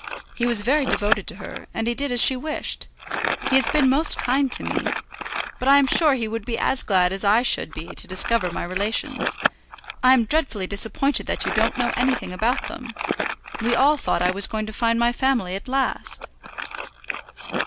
He was very devoted to her, and he did as she wished. He has been most kind to me; but I am sure he would be as glad as I should be to discover my relations. I am dreadfully disappointed that you don't know anything about them. We all thought I was going to find my family at last."